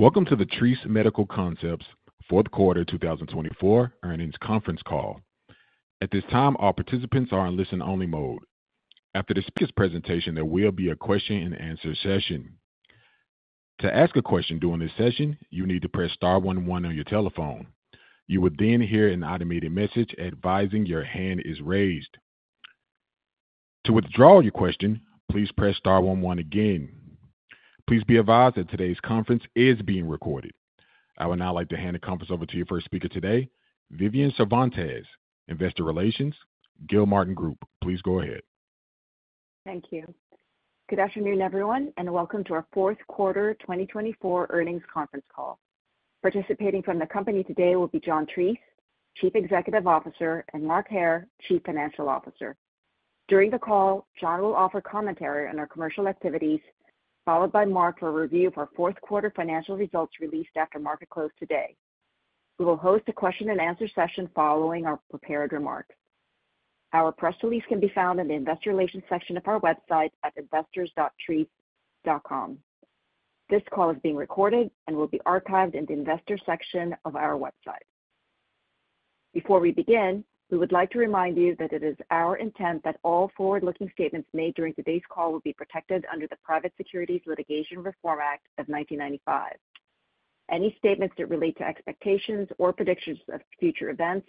Welcome to the Treace Medical Concepts Q4 2024 Earnings Conference Call. At this time, all participants are in listen-only mode. After this speaker's presentation, there will be a question-and-answer session. To ask a question during this session, you need to press star one one on your telephone. You will then hear an automated message advising your hand is raised. To withdraw your question, please press star one one again. Please be advised that today's conference is being recorded. I would now like to hand the conference over to your first speaker today, Vivian Cervantes, Investor Relations, Gilmartin Group. Please go ahead. Thank you. Good afternoon, everyone, and welcome to our Q4 2024 Earnings Conference Call. Participating from the company today will be John Treace, CEO, and Mark Hair, CFO. During the call, John will offer commentary on our commercial activities, followed by Mark for a review of our Q4 financial results released after market close today. We will host a question-and-answer session following our prepared remarks. Our press release can be found in the Investor Relations section of our website at investors.treace.com. This call is being recorded and will be archived in the Investor section of our website. Before we begin, we would like to remind you that it is our intent that all forward-looking statements made during today's call will be protected under the Private Securities Litigation Reform Act of 1995. Any statements that relate to expectations or predictions of future events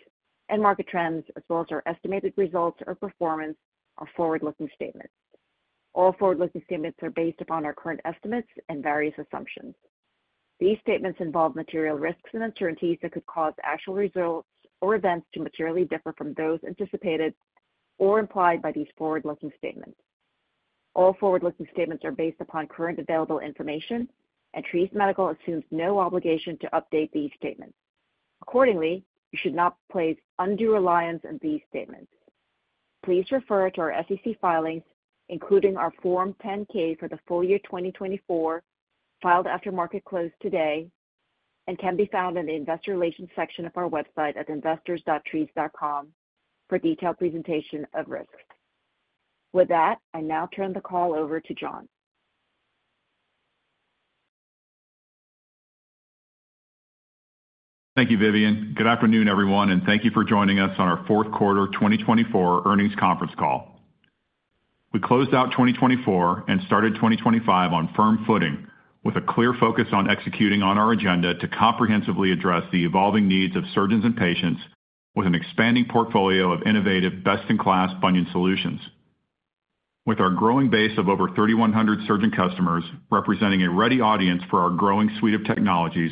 and market trends, as well as our estimated results or performance, are forward-looking statements. All forward-looking statements are based upon our current estimates and various assumptions. These statements involve material risks and uncertainties that could cause actual results or events to materially differ from those anticipated or implied by these forward-looking statements. All forward-looking statements are based upon current available information, and Treace Medical Concepts assumes no obligation to update these statements. Accordingly, you should not place undue reliance on these statements. Please refer to our SEC filings, including our Form 10-K for the full year 2024, filed after market close today, and can be found in the Investor Relations section of our website at investors.treace.com for detailed presentation of risks. With that, I now turn the call over to John. Thank you, Vivian. Good afternoon, everyone, and thank you for joining us on our Q4 2024 Earnings Conference Call. We closed out 2024 and started 2025 on firm footing with a clear focus on executing on our agenda to comprehensively address the evolving needs of surgeons and patients with an expanding portfolio of innovative, best-in-class bunion solutions. With our growing base of over 3,100 surgeon customers representing a ready audience for our growing suite of technologies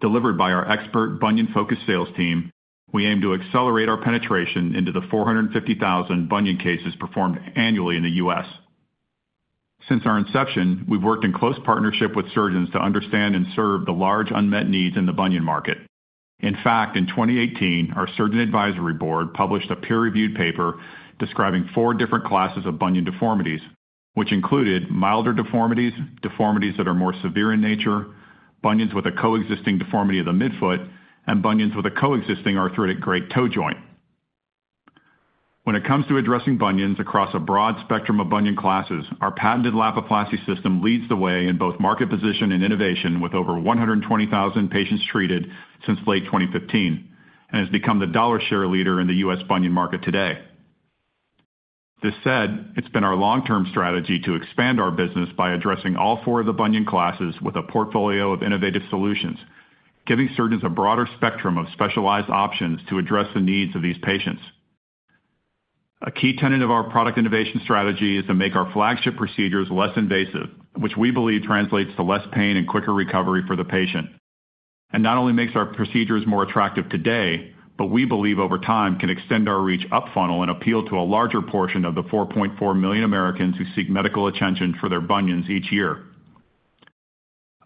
delivered by our expert bunion-focused sales team, we aim to accelerate our penetration into the 450,000 bunion cases performed annually in the U.S. Since our inception, we've worked in close partnership with surgeons to understand and serve the large unmet needs in the bunion market. In fact, in 2018, our Surgeon Advisory Board published a peer-reviewed paper describing four different classes of bunion deformities, which included milder deformities, deformities that are more severe in nature, bunions with a coexisting deformity of the midfoot, and bunions with a coexisting arthritic great toe joint. When it comes to addressing bunions across a broad spectrum of bunion classes, our patented Lapiplasty system leads the way in both market position and innovation with over 120,000 patients treated since late 2015 and has become the dollar share leader in the U.S. bunion market today. This said, it's been our long-term strategy to expand our business by addressing all four of the bunion classes with a portfolio of innovative solutions, giving surgeons a broader spectrum of specialized options to address the needs of these patients. A key tenet of our product innovation strategy is to make our flagship procedures less invasive, which we believe translates to less pain and quicker recovery for the patient, and not only makes our procedures more attractive today, but we believe over time can extend our reach up funnel and appeal to a larger portion of the 4.4 million Americans who seek medical attention for their bunions each year.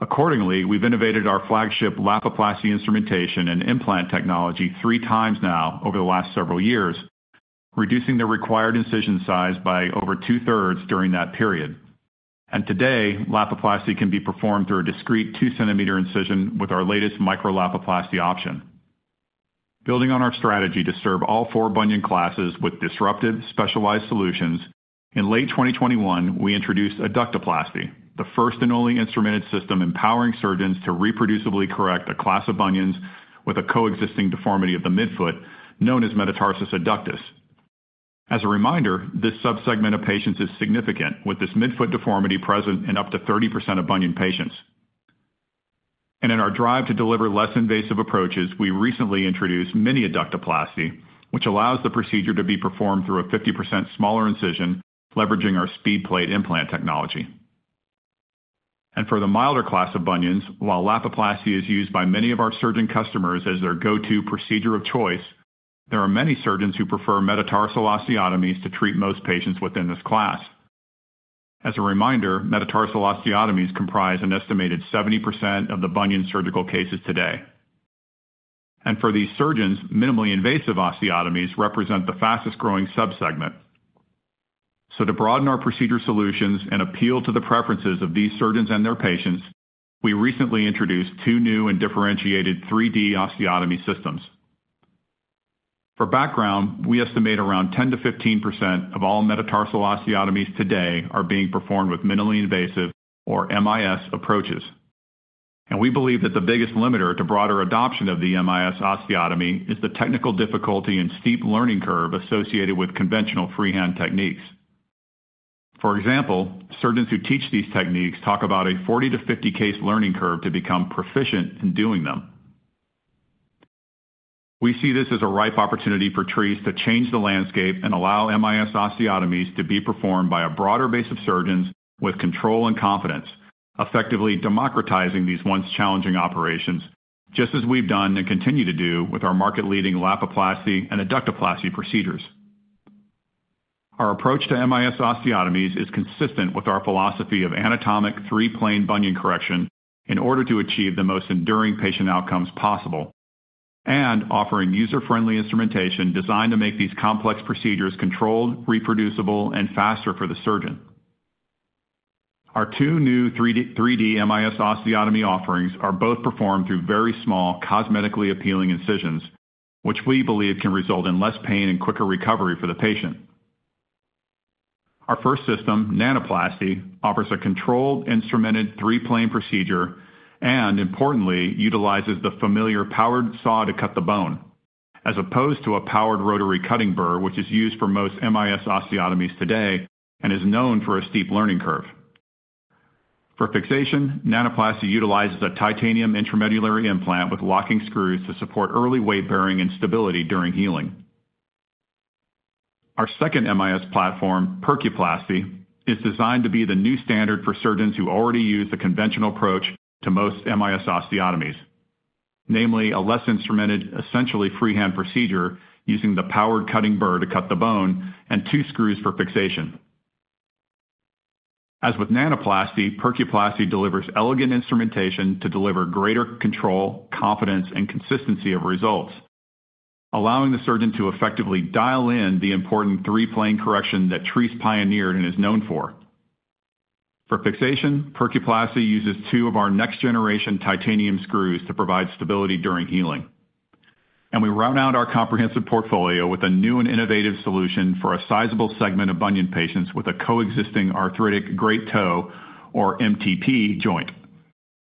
Accordingly, we've innovated our flagship Lapiplasty instrumentation and implant technology three times now over the last several years, reducing the required incision size by over two-thirds during that period, and today, Lapiplasty can be performed through a discreet 2 cm incision with our latest Micro-Lapiplasty option. Building on our strategy to serve all four bunion classes with disruptive, specialized solutions, in late 2021, we introduced Adductoplasty, the first and only instrumented system empowering surgeons to reproducibly correct a class of bunions with a coexisting deformity of the midfoot known as metatarsus adductus. As a reminder, this subsegment of patients is significant, with this midfoot deformity present in up to 30% of bunion patients. And in our drive to deliver less invasive approaches, we recently introduced Mini-Adductoplasty, which allows the procedure to be performed through a 50% smaller incision, leveraging our SpeedPlate implant technology. And for the milder class of bunions, while Lapiplasty is used by many of our surgeon customers as their go-to procedure of choice, there are many surgeons who prefer metatarsal osteotomies to treat most patients within this class. As a reminder, metatarsal osteotomies comprise an estimated 70% of the bunion surgical cases today. And for these surgeons, minimally invasive osteotomies represent the fastest-growing subsegment. So to broaden our procedure solutions and appeal to the preferences of these surgeons and their patients, we recently introduced two new and differentiated 3D osteotomy systems. For background, we estimate around 10%-15% of all metatarsal osteotomies today are being performed with minimally invasive, or MIS, approaches. And we believe that the biggest limiter to broader adoption of the MIS osteotomy is the technical difficulty and steep learning curve associated with conventional freehand techniques. For example, surgeons who teach these techniques talk about a 40- to 50-case learning curve to become proficient in doing them. We see this as a ripe opportunity for Treace to change the landscape and allow MIS osteotomies to be performed by a broader base of surgeons with control and confidence, effectively democratizing these once-challenging operations, just as we've done and continue to do with our market-leading Lapiplasty and Adductoplasty procedures. Our approach to MIS osteotomies is consistent with our philosophy of anatomic three-plane bunion correction in order to achieve the most enduring patient outcomes possible and offering user-friendly instrumentation designed to make these complex procedures controlled, reproducible, and faster for the surgeon. Our two new 3D MIS osteotomy offerings are both performed through very small, cosmetically appealing incisions, which we believe can result in less pain and quicker recovery for the patient. Our first system, Nanoplasty, offers a controlled, instrumented three-plane procedure and, importantly, utilizes the familiar powered saw to cut the bone, as opposed to a powered rotary cutting bur, which is used for most MIS osteotomies today and is known for a steep learning curve. For fixation, Nanoplasty utilizes a titanium intramedullary implant with locking screws to support early weight-bearing and stability during healing. Our second MIS platform, Percuplasty, is designed to be the new standard for surgeons who already use the conventional approach to most MIS osteotomies, namely a less instrumented, essentially freehand procedure using the powered cutting bur to cut the bone and two screws for fixation. As with Nanoplasty, Percuplasty delivers elegant instrumentation to deliver greater control, confidence, and consistency of results, allowing the surgeon to effectively dial in the important three-plane correction that Treace pioneered and is known for. For fixation, Percuplasty uses two of our next-generation titanium screws to provide stability during healing. And we round out our comprehensive portfolio with a new and innovative solution for a sizable segment of bunion patients with a coexisting arthritic great toe, or MTP, joint.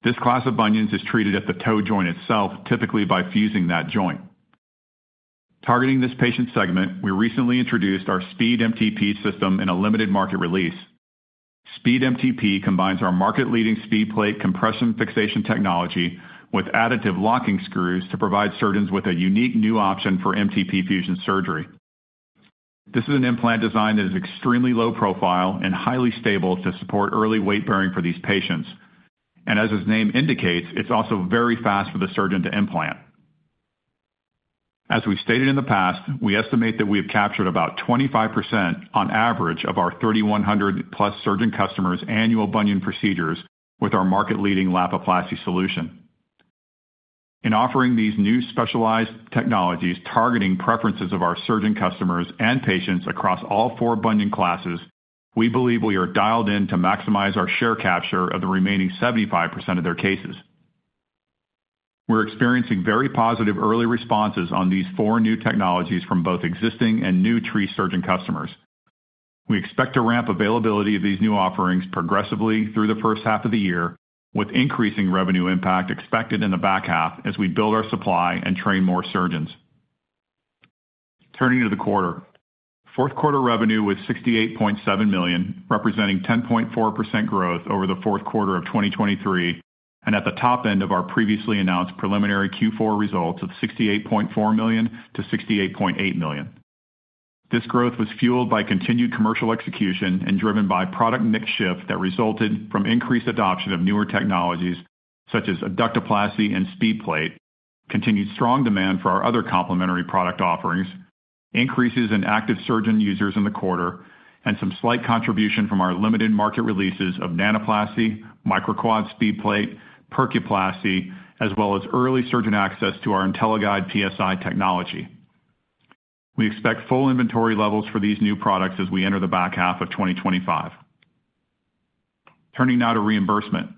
This class of bunions is treated at the toe joint itself, typically by fusing that joint. Targeting this patient segment, we recently introduced our SpeedMTP system in a limited market release. SpeedMTP combines our market-leading SpeedPlate compression fixation technology with additive locking screws to provide surgeons with a unique new option for MTP fusion surgery. This is an implant design that is extremely low profile and highly stable to support early weight-bearing for these patients. And as its name indicates, it's also very fast for the surgeon to implant. As we've stated in the past, we estimate that we have captured about 25%, on average, of our 3,100-plus surgeon customers' annual bunion procedures with our market-leading Lapiplasty solution. In offering these new specialized technologies targeting preferences of our surgeon customers and patients across all four bunion classes, we believe we are dialed in to maximize our share capture of the remaining 75% of their cases. We're experiencing very positive early responses on these four new technologies from both existing and new Treace surgeon customers. We expect to ramp availability of these new offerings progressively through the first half of the year, with increasing revenue impact expected in the back half as we build our supply and train more surgeons. Turning to the quarter, Q4 revenue was $68.7 million, representing 10.4% growth over the Q4 of 2023 and at the top end of our previously announced preliminary Q4 results of $68.4 million-$68.8 million. This growth was fueled by continued commercial execution and driven by product mix shift that resulted from increased adoption of newer technologies such as Adductoplasty and SpeedPlate, continued strong demand for our other complementary product offerings, increases in active surgeon users in the quarter, and some slight contribution from our limited market releases of Nanoplasty, MicroQuad SpeedPlate, Percuplasty, as well as early surgeon access to our IntelliGuide PSI technology. We expect full inventory levels for these new products as we enter the back half of 2025. Turning now to reimbursement.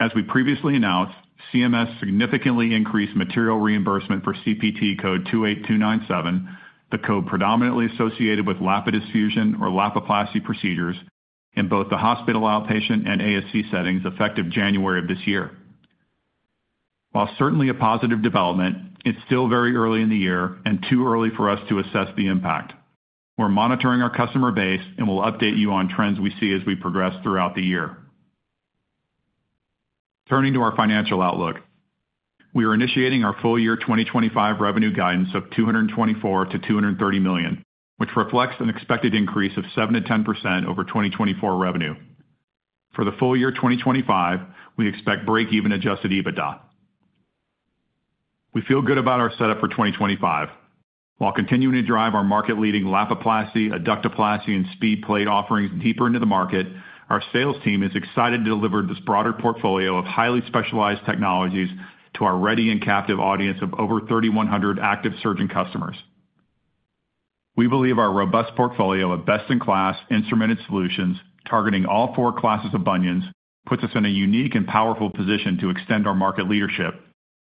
As we previously announced, CMS significantly increased material reimbursement for CPT code 28297, the code predominantly associated with Lapidus fusion or Lapiplasty procedures in both the hospital outpatient and ASC settings effective January of this year. While certainly a positive development, it's still very early in the year and too early for us to assess the impact. We're monitoring our customer base and will update you on trends we see as we progress throughout the year. Turning to our financial outlook, we are initiating our full year 2025 revenue guidance of $224 million-$230 million, which reflects an expected increase of 7%-10% over 2024 revenue. For the full year 2025, we expect break-even Adjusted EBITDA. We feel good about our setup for 2025. While continuing to drive our market-leading Lapiplasty, Adductoplasty, and SpeedPlate offerings deeper into the market, our sales team is excited to deliver this broader portfolio of highly specialized technologies to our ready and captive audience of over 3,100 active surgeon customers. We believe our robust portfolio of best-in-class instrumented solutions targeting all four classes of bunions puts us in a unique and powerful position to extend our market leadership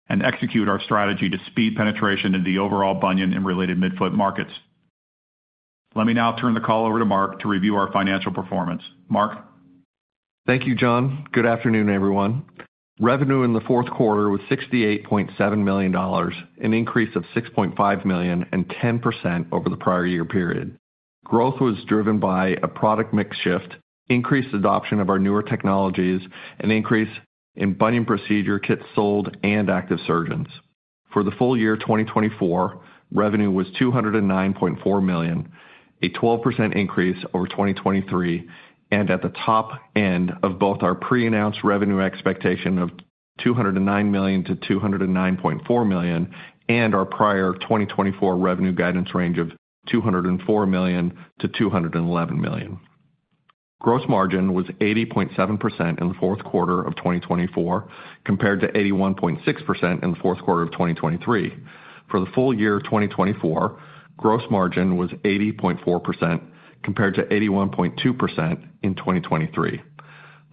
and execute our strategy to speed penetration in the overall bunion and related midfoot markets. Let me now turn the call over to Mark to review our financial performance. Mark. Thank you, John. Good afternoon, everyone. Revenue in the Q4 was $68.7 million, an increase of $6.5 million and 10% over the prior-year period. Growth was driven by a product mix shift, increased adoption of our newer technologies, and increase in bunion procedure kits sold and active surgeons. For the full year 2024, revenue was $209.4 million, a 12% increase over 2023, and at the top end of both our pre-announced revenue expectation of $209 million-$209.4 million and our prior 2024 revenue guidance range of $204 million-$211 million. Gross margin was 80.7% in the Q4 of 2024 compared to 81.6% in the Q4 of 2023. For the full year 2024, gross margin was 80.4% compared to 81.2% in 2023.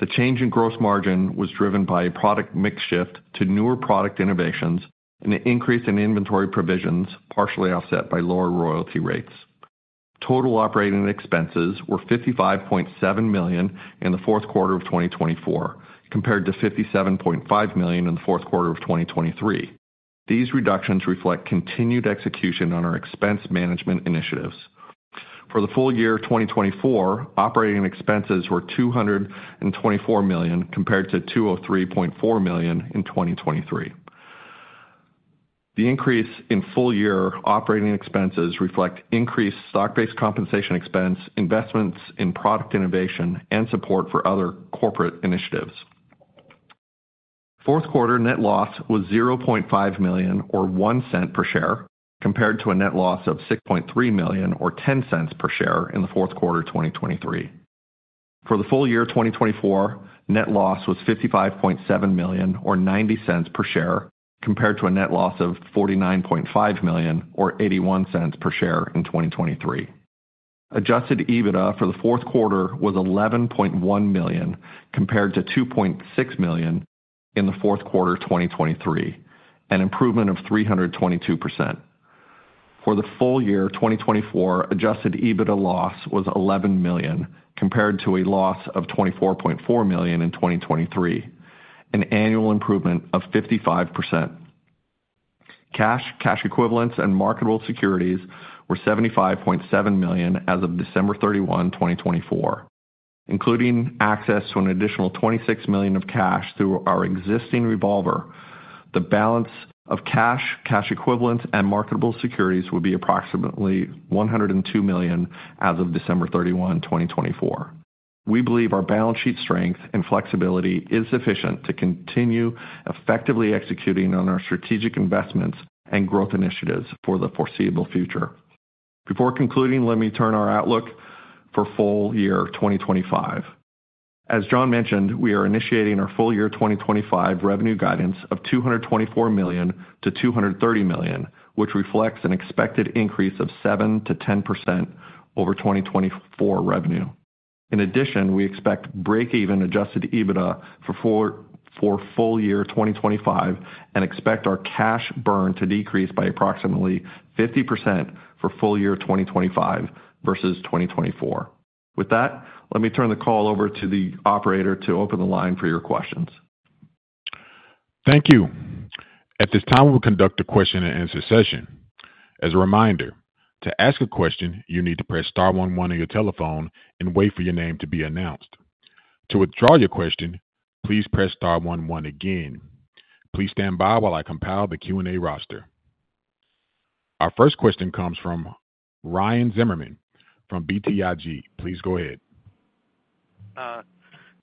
The change in gross margin was driven by a product mix shift to newer product innovations and an increase in inventory provisions partially offset by lower royalty rates. Total operating expenses were $55.7 million in the Q4 of 2024 compared to $57.5 million in the Q4 of 2023. These reductions reflect continued execution on our expense management initiatives. For the full year 2024, operating expenses were $224 million compared to $203.4 million in 2023. The increase in full-year operating expenses reflects increased stock-based compensation expense, investments in product innovation, and support for other corporate initiatives. Q4 net loss was $0.5 million, or $0.01 per share, compared to a net loss of $6.3 million, or $0.10 per share in the Q4 2023. For the full year 2024, net loss was $55.7 million, or $0.90 per share, compared to a net loss of $49.5 million, or $0.81 per share in 2023. Adjusted EBITDA for the Q4 was $11.1 million compared to $2.6 million in the Q4 2023, an improvement of 322%. For the full year 2024, Adjusted EBITDA loss was $11 million compared to a loss of $24.4 million in 2023, an annual improvement of 55%. Cash, cash equivalents, and marketable securities were $75.7 million as of December 31, 2024. Including access to an additional $26 million of cash through our existing revolver, the balance of cash, cash equivalents, and marketable securities would be approximately $102 million as of December 31, 2024. We believe our balance sheet strength and flexibility is sufficient to continue effectively executing on our strategic investments and growth initiatives for the foreseeable future. Before concluding, let me turn to our outlook for full year 2025. As John mentioned, we are initiating our full-year 2025 revenue guidance of $224 million-$230 million, which reflects an expected increase of 7%-10% over 2024 revenue. In addition, we expect break-even Adjusted EBITDA for full year 2025 and expect our cash burn to decrease by approximately 50% for full year 2025 versus 2024. With that, let me turn the call over to the operator to open the line for your questions. Thank you. At this time, we'll conduct a question-and-answer session. As a reminder, to ask a question, you need to press star one one on your telephone and wait for your name to be announced. To withdraw your question, please press star one one again. Please stand by while I compile the Q&A roster. Our first question comes from Ryan Zimmerman from BTIG. Please go ahead.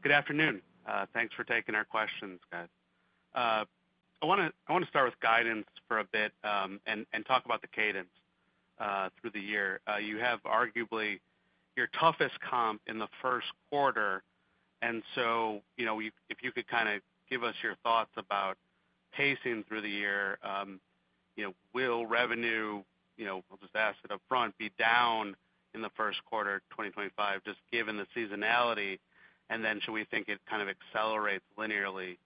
Good afternoon. Thanks for taking our questions, guys. I want to start with guidance for a bit and talk about the cadence through the year. You have arguably your toughest comp in the Q1. And so if you could kind of give us your thoughts about pacing through the year, will revenue, I'll just ask it upfront, be down in the Q1 of 2025 just given the seasonality? And then should we think it kind of accelerates linearly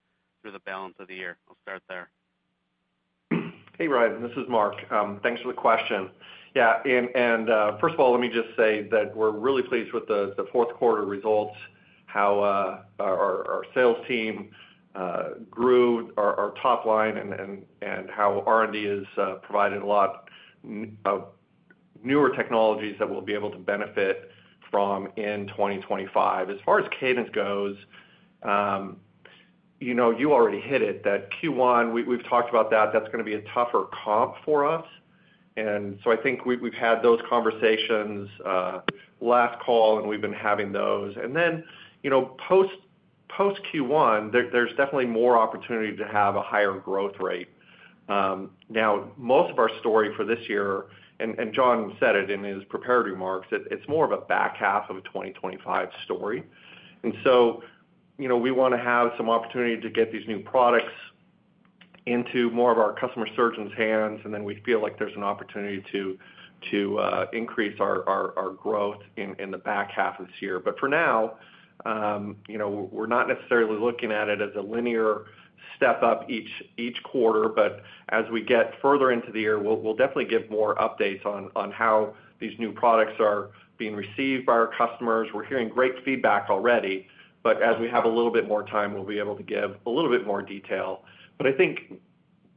through the balance of the year? I'll start there. Hey, Ryan. This is Mark. Thanks for the question. Yeah, and first of all, let me just say that we're really pleased with the Q4 results, how our sales team grew our top line, and how R&D has provided a lot of newer technologies that we'll be able to benefit from in 2025. As far as cadence goes, you already hit it, that Q1 we've talked about. That's going to be a tougher comp for us, and so I think we've had those conversations last call, and we've been having those. And then post Q1, there's definitely more opportunity to have a higher growth rate. Now, most of our story for this year, and John said it in his prepared remarks, it's more of a back half of a 2025 story. And so we want to have some opportunity to get these new products into more of our customer surgeons' hands, and then we feel like there's an opportunity to increase our growth in the back half of this year. But for now, we're not necessarily looking at it as a linear step up each quarter, but as we get further into the year, we'll definitely give more updates on how these new products are being received by our customers. We're hearing great feedback already, but as we have a little bit more time, we'll be able to give a little bit more detail. But I think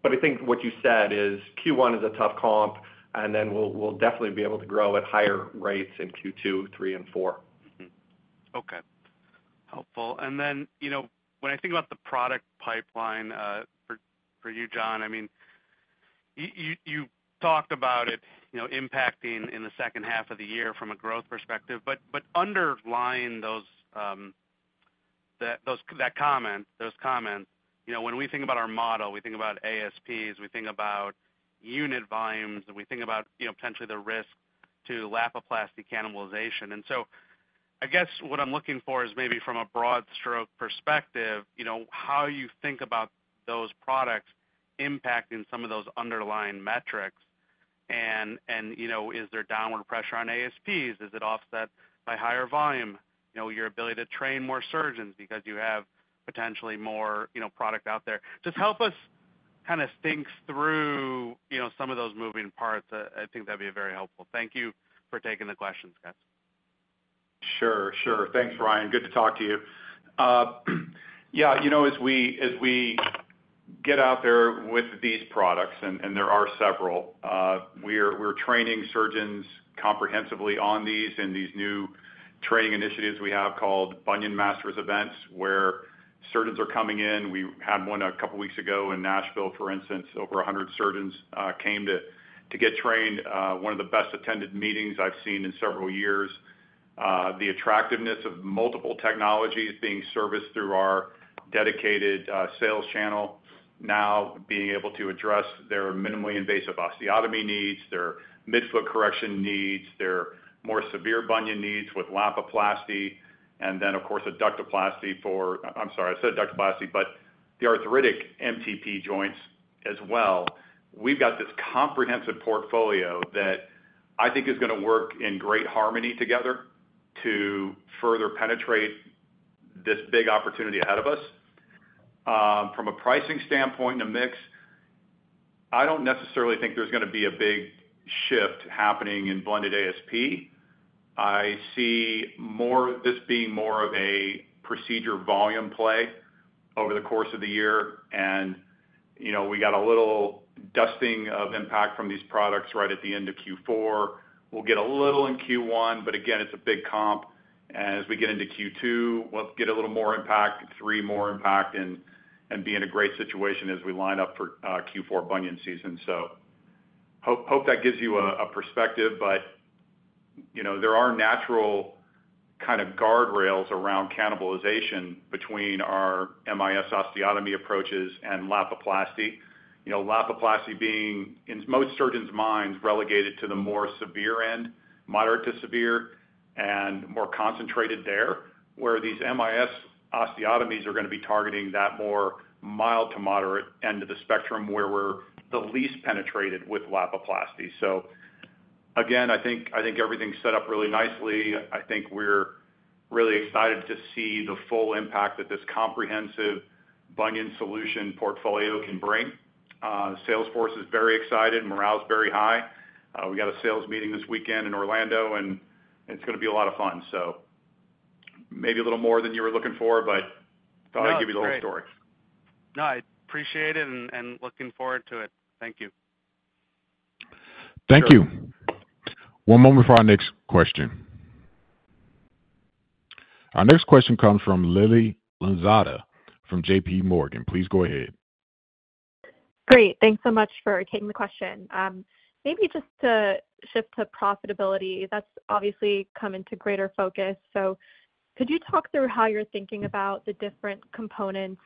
what you said is Q1 is a tough comp, and then we'll definitely be able to grow at higher rates in Q2, Q3, and Q4. Okay. Helpful. And then, when I think about the product pipeline for you, John, I mean, you talked about it impacting in the second half of the year from a growth perspective, but underlying that comment, those comments, when we think about our model, we think about ASPs, we think about unit volumes, and we think about potentially the risk to Lapiplasty cannibalization. And so, I guess what I'm looking for is maybe from a broad stroke perspective, how you think about those products impacting some of those underlying metrics. And is there downward pressure on ASPs? Is it offset by higher volume, your ability to train more surgeons because you have potentially more product out there? Just help us kind of think through some of those moving parts. I think that'd be very helpful. Thank you for taking the questions, guys. Sure. Sure. Thanks, Ryan. Good to talk to you. Yeah. As we get out there with these products, and there are several, we're training surgeons comprehensively on these in these new training initiatives we have called Bunion Masters Events, where surgeons are coming in. We had one a couple of weeks ago in Nashville, for instance. Over 100 surgeons came to get trained. One of the best attended meetings I've seen in several years. The attractiveness of multiple technologies being serviced through our dedicated sales channel now being able to address their minimally invasive osteotomy needs, their midfoot correction needs, their more severe bunion needs with Lapiplasty, and then, of course, Adductoplasty for—I'm sorry, I said Adductoplasty, but the arthritic MTP joints as well. We've got this comprehensive portfolio that I think is going to work in great harmony together to further penetrate this big opportunity ahead of us. From a pricing standpoint and a mix, I don't necessarily think there's going to be a big shift happening in blended ASP. I see this being more of a procedure volume play over the course of the year. And we got a little dusting of impact from these products right at the end of Q4. We'll get a little in Q1, but again, it's a big comp. And as we get into Q2, we'll get a little more impact, Q3 more impact, and be in a great situation as we line up for Q4 bunion season. So, I hope that gives you a perspective, but there are natural kind of guardrails around cannibalization between our MIS osteotomy approaches and Lapiplasty. Lapiplasty being, in most surgeons' minds, relegated to the more severe end, moderate to severe, and more concentrated there, where these MIS osteotomies are going to be targeting that more mild- to moderate-end of the spectrum where we're the least penetrated with Lapiplasty. So again, I think everything's set up really nicely. I think we're really excited to see the full impact that this comprehensive bunion solution portfolio can bring. Sales force is very excited, morale's very high. We got a sales meeting this weekend in Orlando, and it's going to be a lot of fun. So maybe a little more than you were looking for, but thought I'd give you the whole story. No, I appreciate it, and looking forward to it. Thank you. Thank you. One moment for our next question. Our next question comes from Lily Lozada from JPMorgan. Please go ahead. Great. Thanks so much for taking the question. Maybe just to shift to profitability, that's obviously come into greater focus. So could you talk through how you're thinking about the different components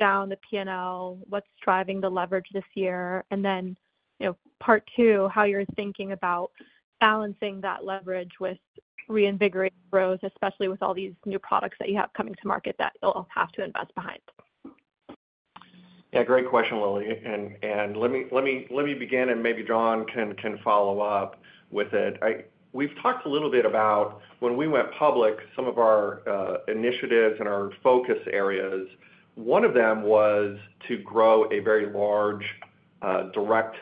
down the P&L, what's driving the leverage this year, and then part two, how you're thinking about balancing that leverage with reinvigorating growth, especially with all these new products that you have coming to market that you'll have to invest behind? Yeah. Great question, Lily, and let me begin and maybe John can follow up with it. We've talked a little bit about when we went public, some of our initiatives and our focus areas. One of them was to grow a very large direct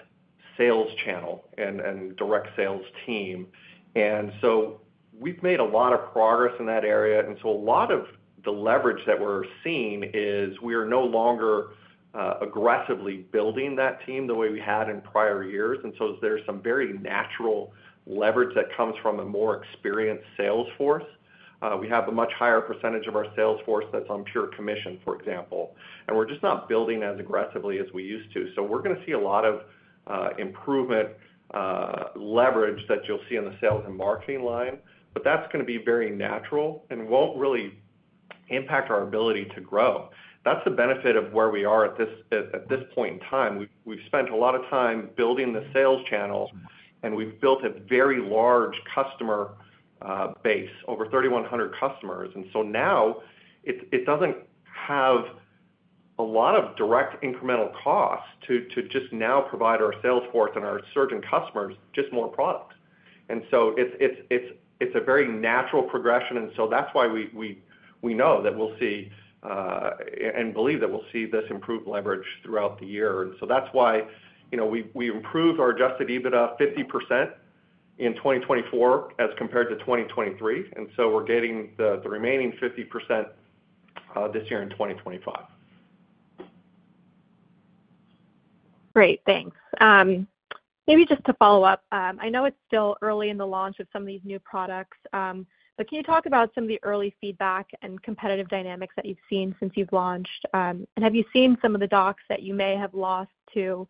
sales channel and direct sales team, and so we've made a lot of progress in that area. And so a lot of the leverage that we're seeing is we are no longer aggressively building that team the way we had in prior years, and so there's some very natural leverage that comes from a more experienced salesforce. We have a much higher percentage of our salesforce that's on pure commission, for example, and we're just not building as aggressively as we used to. We're going to see a lot of improved leverage that you'll see in the sales and marketing line, but that's going to be very natural and won't really impact our ability to grow. That's the benefit of where we are at this point in time. We've spent a lot of time building the sales channel, and we've built a very large customer base, over 3,100 customers. Now it doesn't have a lot of direct incremental costs to just now provide our sales force and our surgeon customers just more products. It's a very natural progression. That's why we know that we'll see and believe that we'll see this improved leverage throughout the year. That's why we improved our Adjusted EBITDA 50% in 2024 as compared to 2023. We're getting the remaining 50% this year in 2025. Great. Thanks. Maybe just to follow up, I know it's still early in the launch of some of these new products, but can you talk about some of the early feedback and competitive dynamics that you've seen since you've launched? And have you seen some of the docs that you may have lost to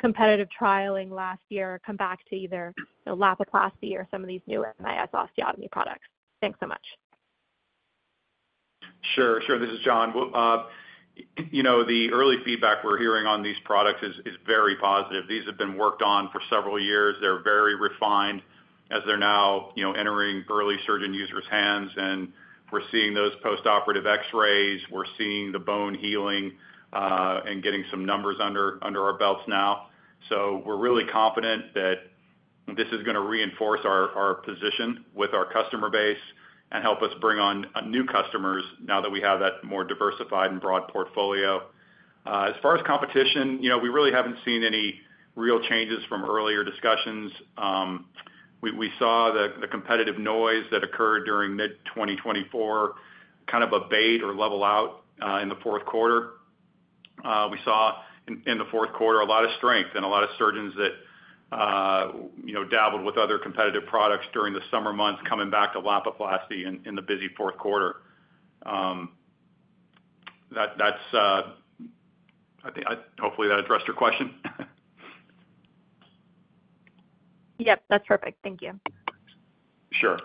competitive trialing last year come back to either Lapiplasty or some of these new MIS osteotomy products? Thanks so much. Sure. Sure. This is John. The early feedback we're hearing on these products is very positive. These have been worked on for several years. They're very refined as they're now entering early surgeon users' hands. And we're seeing those post-operative X-rays. We're seeing the bone healing and getting some numbers under our belts now. So we're really confident that this is going to reinforce our position with our customer base and help us bring on new customers now that we have that more diversified and broad portfolio. As far as competition, we really haven't seen any real changes from earlier discussions. We saw the competitive noise that occurred during mid-2024 kind of abate or level out in the Q4. We saw in the Q4 a lot of strength and a lot of surgeons that dabbled with other competitive products during the summer months coming back to Lapiplasty in the busy Q4. Hopefully, that addressed your question. Yep. That's perfect. Thank you. Sure.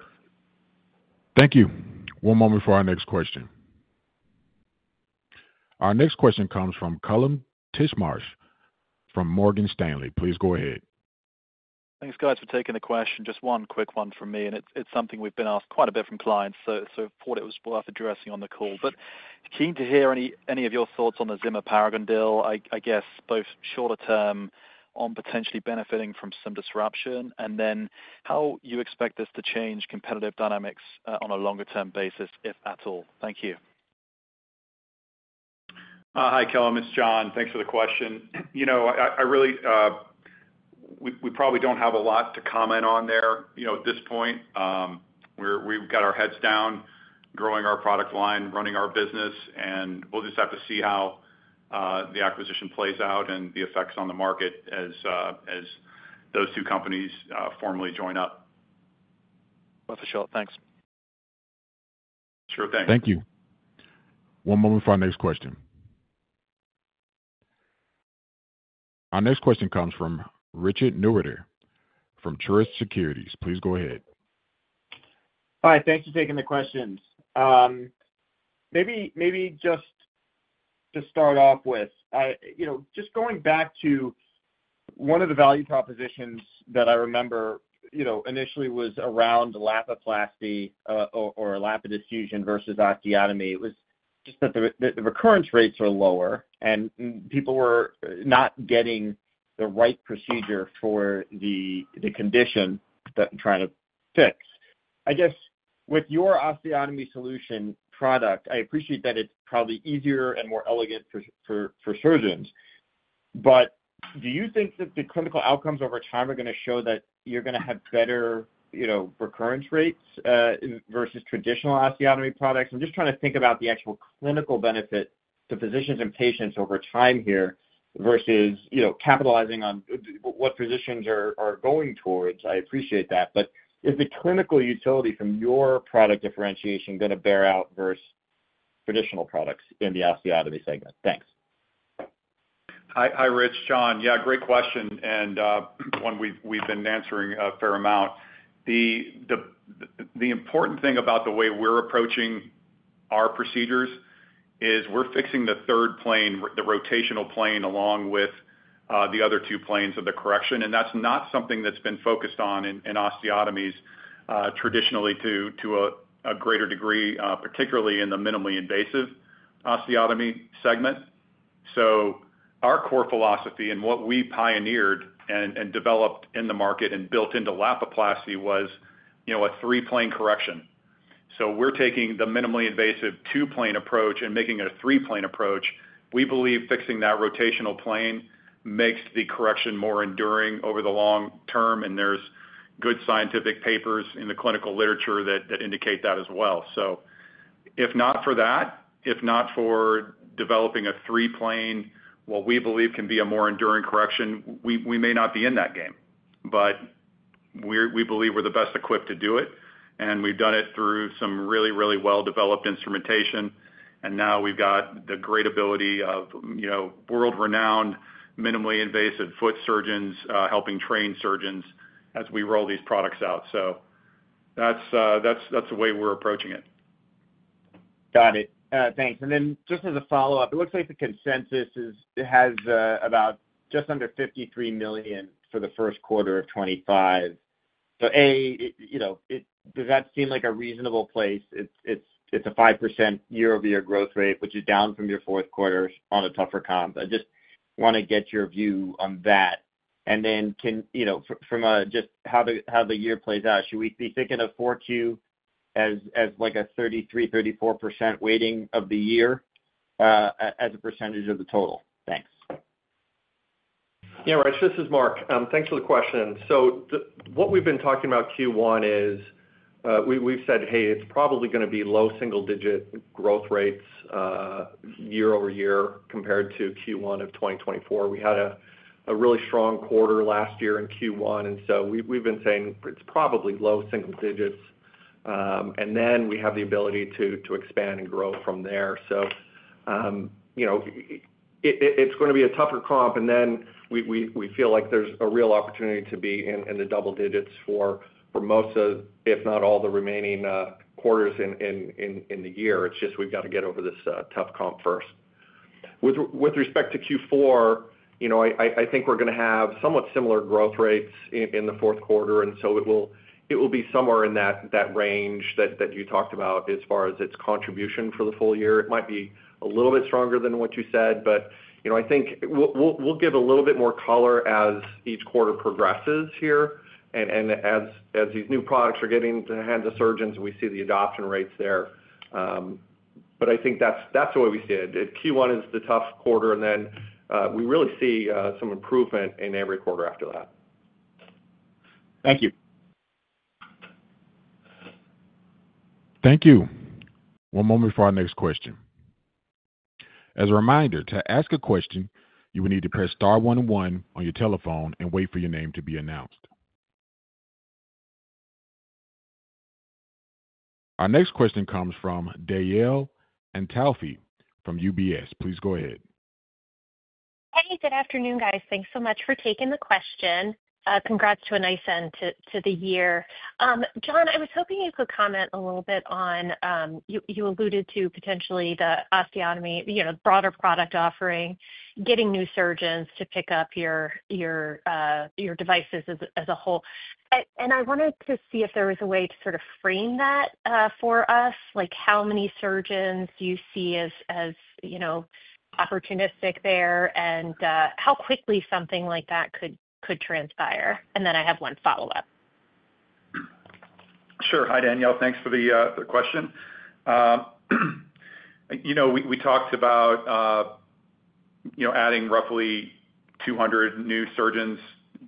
Thank you. One moment for our next question. Our next question comes from Kallum Titchmarsh from Morgan Stanley. Please go ahead. Thanks, guys, for taking the question. Just one quick one from me. It's something we've been asked quite a bit from clients, so I thought it was worth addressing on the call. Keen to hear any of your thoughts on the Zimmer Biomet-Paragon 28 deal, I guess, both shorter-term on potentially benefiting from some disruption, and then how you expect this to change competitive dynamics on a longer-term basis, if at all. Thank you. Hi, Kallum. It's John. Thanks for the question. We probably don't have a lot to comment on there at this point. We've got our heads down growing our product line, running our business, and we'll just have to see how the acquisition plays out and the effects on the market as those two companies formally join up. For sure, thanks. Sure thing. Thank you. One moment for our next question. Our next question comes from Richard Newitter from Truist Securities. Please go ahead. Hi. Thanks for taking the questions. Maybe just to start off with, just going back to one of the value propositions that I remember initially was around Lapiplasty or Lapidus fusion versus osteotomy. It was just that the recurrence rates were lower, and people were not getting the right procedure for the condition that I'm trying to fix. I guess with your osteotomy solution product, I appreciate that it's probably easier and more elegant for surgeons, but do you think that the clinical outcomes over time are going to show that you're going to have better recurrence rates versus traditional osteotomy products? I'm just trying to think about the actual clinical benefit to physicians and patients over time here versus capitalizing on what physicians are going towards. I appreciate that. But is the clinical utility from your product differentiation going to bear out versus traditional products in the Osteotomy segment? Thanks. Hi, Rich. John. Yeah. Great question, and one we've been answering a fair amount. The important thing about the way we're approaching our procedures is we're fixing the third plane, the rotational plane along with the other two planes of the correction, and that's not something that's been focused on in osteotomies traditionally to a greater degree, particularly in the minimally invasive osteotomy segment, so our core philosophy and what we pioneered and developed in the market and built into Lapiplasty was a three-plane correction, so we're taking the minimally invasive two-plane approach and making it a three-plane approach. We believe fixing that rotational plane makes the correction more enduring over the long term, and there's good scientific papers in the clinical literature that indicate that as well. So if not for that, if not for developing a three-plane, what we believe can be a more enduring correction, we may not be in that game. But we believe we're the best equipped to do it, and we've done it through some really, really well-developed instrumentation. And now we've got the great ability of world-renowned minimally invasive foot surgeons helping train surgeons as we roll these products out. So that's the way we're approaching it. Got it. Thanks. And then just as a follow-up, it looks like the consensus has about just under $53 million for the Q1 of 2025. So A, does that seem like a reasonable place? It's a 5% year-over-year growth rate, which is down from your Q4 on a tougher comp. I just want to get your view on that. And then from just how the year plays out, should we be thinking of 4Q as like a 33%-34% weighting of the year as a percentage of the total? Thanks. Yeah, Rich. This is Mark. Thanks for the question. So what we've been talking about Q1 is we've said, "Hey, it's probably going to be low single-digit growth rates year over year compared to Q1 of 2024." We had a really strong quarter last year in Q1, and so we've been saying it's probably low single-digits. And then we have the ability to expand and grow from there. So it's going to be a tougher comp, and then we feel like there's a real opportunity to be in the double-digits for most of, if not all, the remaining quarters in the year. It's just we've got to get over this tough comp first. With respect to Q4, I think we're going to have somewhat similar growth rates in the Q4, and so it will be somewhere in that range that you talked about as far as its contribution for the full year. It might be a little bit stronger than what you said, but I think we'll give a little bit more color as each quarter progresses here and as these new products are getting into the hands of surgeons and we see the adoption rates there. But I think that's the way we see it. Q1 is the tough quarter, and then we really see some improvement in every quarter after that. Thank you. Thank you. One moment for our next question. As a reminder, to ask a question, you will need to press star one one on your telephone and wait for your name to be announced. Our next question comes from Danielle Antalffy from UBS. Please go ahead. Hey, good afternoon, guys. Thanks so much for taking the question. Congrats to a nice end to the year. John, I was hoping you could comment a little bit on you alluded to potentially the osteotomy, the broader product offering, getting new surgeons to pick up your devices as a whole. And I wanted to see if there was a way to sort of frame that for us, like how many surgeons do you see as opportunistic there and how quickly something like that could transpire. And then I have one follow-up. Sure. Hi, Danielle. Thanks for the question. We talked about adding roughly 200 new surgeons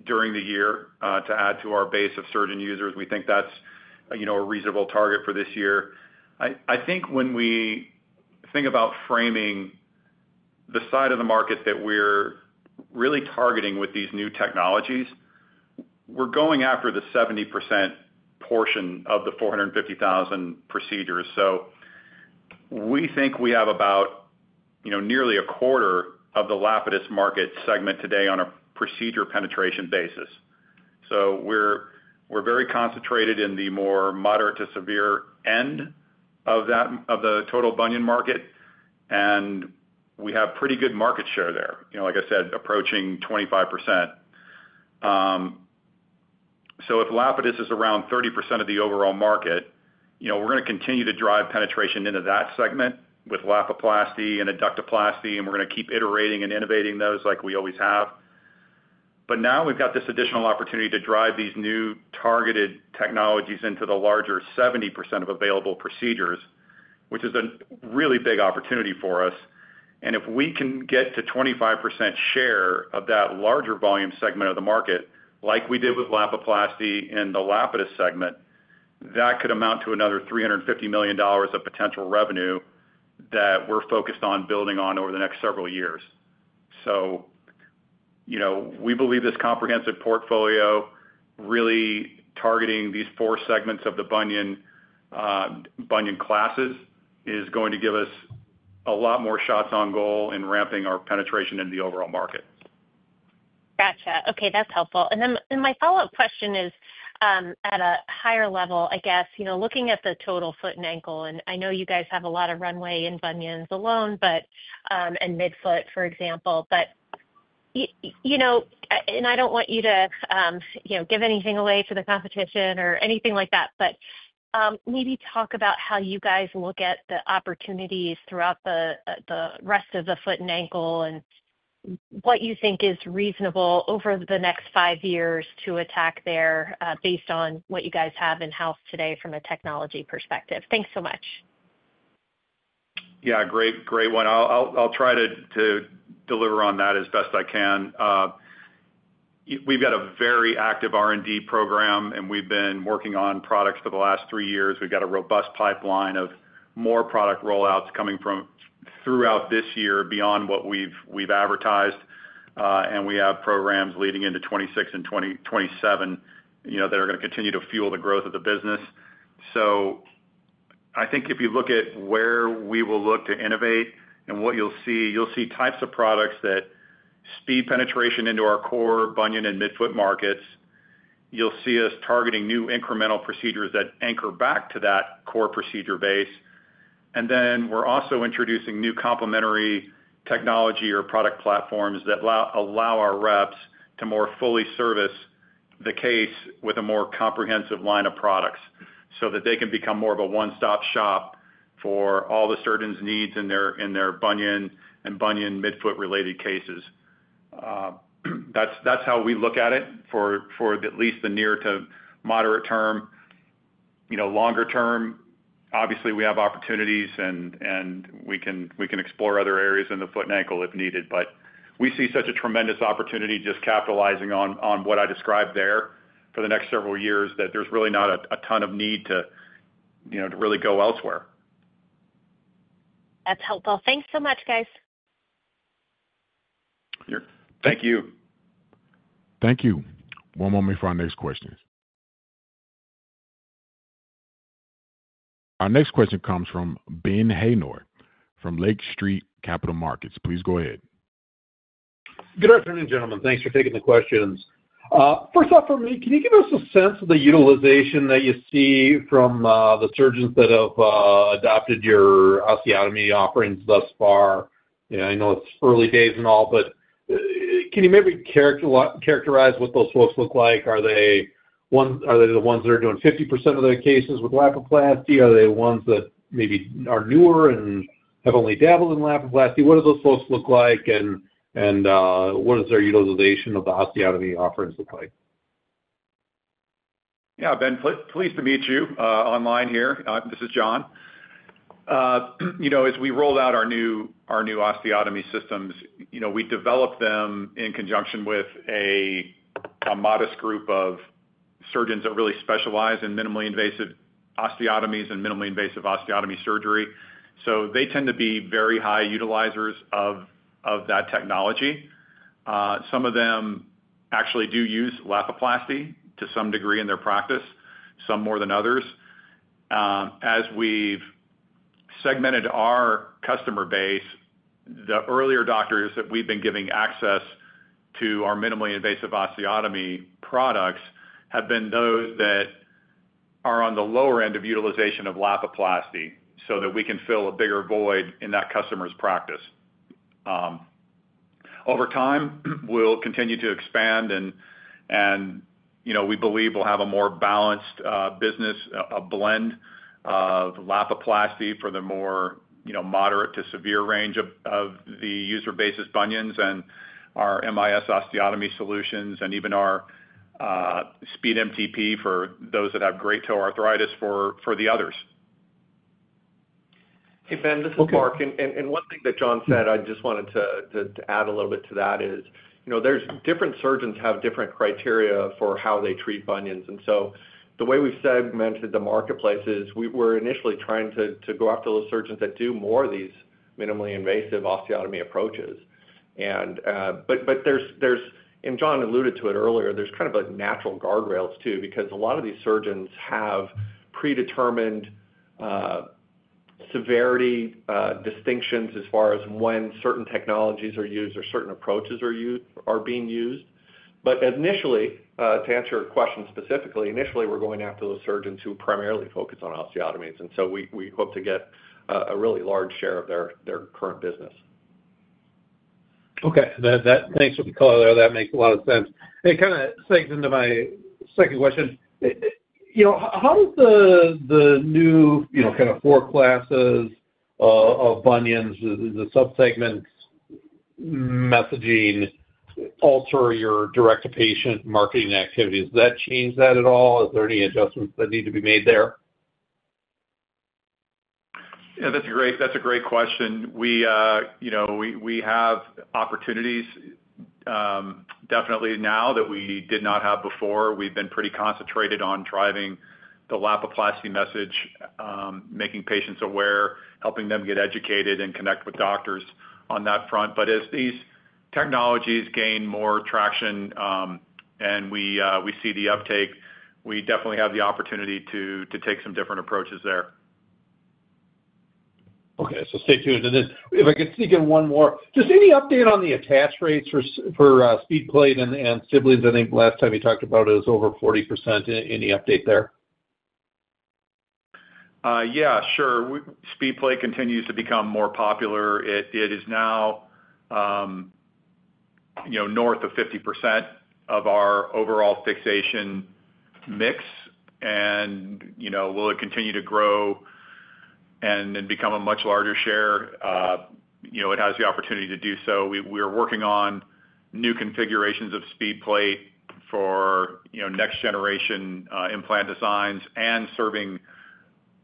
during the year to add to our base of surgeon users. We think that's a reasonable target for this year. I think when we think about framing the side of the market that we're really targeting with these new technologies, we're going after the 70% portion of the 450,000 procedures. So we think we have about nearly a quarter of the Lapidus market segment today on a procedure penetration basis. So we're very concentrated in the more moderate to severe end of the total bunion market, and we have pretty good market share there, like I said, approaching 25%. So if Lapidus is around 30% of the overall market, we're going to continue to drive penetration into that segment with Lapiplasty and Adductoplasty, and we're going to keep iterating and innovating those like we always have. But now we've got this additional opportunity to drive these new targeted technologies into the larger 70% of available procedures, which is a really big opportunity for us. And if we can get to 25% share of that larger volume segment of the market, like we did with Lapiplasty in the Lapidus segment, that could amount to another $350 million of potential revenue that we're focused on building on over the next several years. So we believe this comprehensive portfolio, really targeting these four segments of the bunion classes, is going to give us a lot more shots on goal in ramping our penetration into the overall market. Gotcha. Okay. That's helpful, and then my follow-up question is at a higher level, I guess, looking at the total foot and ankle, and I know you guys have a lot of runway in bunions alone and midfoot, for example, and I don't want you to give anything away for the competition or anything like that, but maybe talk about how you guys look at the opportunities throughout the rest of the foot and ankle and what you think is reasonable over the next five years to attack there based on what you guys have in-house today from a technology perspective. Thanks so much. Yeah. Great one. I'll try to deliver on that as best I can. We've got a very active R&D program, and we've been working on products for the last three years. We've got a robust pipeline of more product rollouts coming throughout this year beyond what we've advertised. And we have programs leading into 2026 and 2027 that are going to continue to fuel the growth of the business. So I think if you look at where we will look to innovate and what you'll see, you'll see types of products that speed penetration into our core bunion and midfoot markets. You'll see us targeting new incremental procedures that anchor back to that core procedure base. Then we're also introducing new complementary technology or product platforms that allow our reps to more fully service the case with a more comprehensive line of products so that they can become more of a one-stop shop for all the surgeons' needs in their bunion and midfoot-related cases. That's how we look at it for at least the near to moderate term. Longer term, obviously, we have opportunities, and we can explore other areas in the foot and ankle if needed. But we see such a tremendous opportunity just capitalizing on what I described there for the next several years that there's really not a ton of need to really go elsewhere. That's helpful. Thanks so much, guys. Thank you. Thank you. One moment for our next question. Our next question comes from Ben Haynor from Lake Street Capital Markets. Please go ahead. Good afternoon, gentlemen. Thanks for taking the questions. First off, for me, can you give us a sense of the utilization that you see from the surgeons that have adopted your osteotomy offerings thus far? I know it's early days and all, but can you maybe characterize what those folks look like? Are they the ones that are doing 50% of their cases with Lapiplasty? Are they ones that maybe are newer and have only dabbled in Lapiplasty? What do those folks look like, and what does their utilization of the osteotomy offerings look like? Yeah, Ben, pleased to meet you online here. This is John. As we rolled out our new osteotomy systems, we developed them in conjunction with a modest group of surgeons that really specialize in minimally invasive osteotomies and minimally invasive osteotomy surgery. So they tend to be very high utilizers of that technology. Some of them actually do use Lapiplasty to some degree in their practice, some more than others. As we've segmented our customer base, the earlier doctors that we've been giving access to our minimally invasive osteotomy products have been those that are on the lower end of utilization of Lapiplasty so that we can fill a bigger void in that customer's practice. Over time, we'll continue to expand, and we believe we'll have a more balanced business, a blend of Lapiplasty for the more moderate to severe range of the user base is bunions and our MIS osteotomy solutions and even our SpeedMTP for those that have great toe arthritis for the others. Hey, Ben, this is Mark. One thing that John said, I just wanted to add a little bit to that, is different surgeons have different criteria for how they treat bunions. And so the way we've segmented the marketplace is we're initially trying to go after those surgeons that do more of these minimally invasive osteotomy approaches. But, and John alluded to it earlier, there's kind of a natural guardrails too because a lot of these surgeons have predetermined severity distinctions as far as when certain technologies are used or certain approaches are being used. But initially, to answer your question specifically, initially, we're going after those surgeons who primarily focus on osteotomies. And so we hope to get a really large share of their current business. Okay. Thanks for the colour. That makes a lot of sense. It kind of sneaks into my second question. How does the new kind of four classes of bunions, the subsegments, messaging alter your direct-to-patient marketing activities? Does that change that at all? Is there any adjustments that need to be made there? Yeah, that's a great question. We have opportunities definitely now that we did not have before. We've been pretty concentrated on driving the Lapiplasty message, making patients aware, helping them get educated and connect with doctors on that front. But as these technologies gain more traction and we see the uptake, we definitely have the opportunity to take some different approaches there. Okay. Stay tuned to this. If I could sneak in one more, just any update on the attach rates for SpeedPlate and siblings? I think last time you talked about it, it was over 40%. Any update there? Yeah, sure. SpeedPlate continues to become more popular. It is now north of 50% of our overall fixation mix. And will it continue to grow and become a much larger share? It has the opportunity to do so. We are working on new configurations of SpeedPlate for next-generation implant designs and serving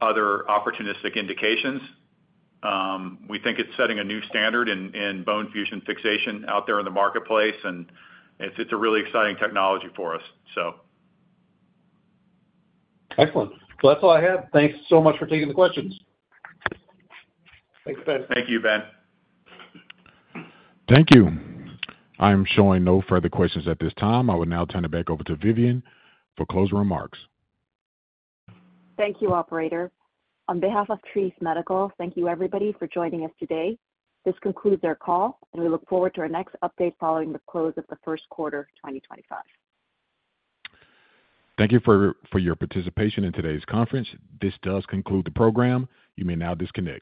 other opportunistic indications. We think it's setting a new standard in bone fusion fixation out there in the marketplace, and it's a really exciting technology for us, so. Excellent. Well, that's all I have. Thanks so much for taking the questions. Thanks, Ben. Thank you, Ben. Thank you. I'm showing no further questions at this time. I will now turn it back over to Vivian for closing remarks. Thank you, Operator. On behalf of Treace Medical, thank you, everybody, for joining us today. This concludes our call, and we look forward to our next update following the close of the Q1 2025. Thank you for your participation in today's conference. This does conclude the program. You may now disconnect.